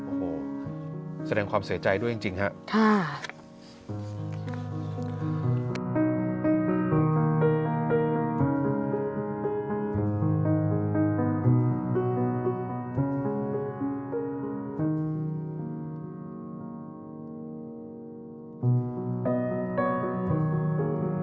โอ้โหแสดงความเสียใจด้วยจริงครับ